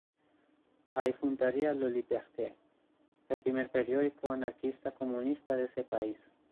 Allí fundaría "Le Libertaire", el primer periódico anarquista-comunista de ese país.